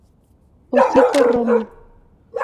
Hocico romo.